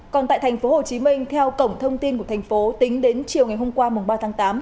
còn tại tp hcm theo cổng thông tin của thành phố tính đến chiều ngày hôm qua ba tháng tám